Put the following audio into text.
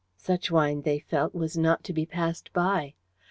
Such wine, they felt, was not to be passed by.